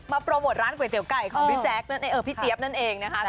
โปรโมทร้านก๋วยเตี๋ยไก่ของพี่แจ๊คพี่เจี๊ยบนั่นเองนะคะ